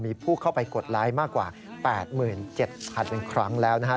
มีผู้เข้าไปกดไลค์มากกว่า๘๗๐๐ครั้งแล้วนะฮะ